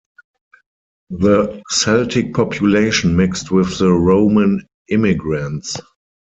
The Celtic population mixed with the Roman immigrants.